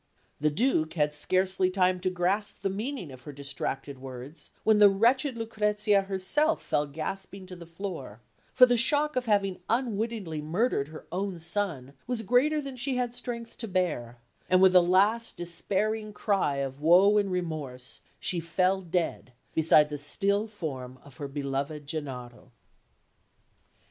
The Duke had scarcely time to grasp the meaning of her distracted words, when the wretched Lucrezia herself fell gasping to the floor; for the shock of having unwittingly murdered her own son was greater than she had strength to bear, and with a last despairing cry of woe and remorse, she fell dead beside the still form of her beloved Gennaro.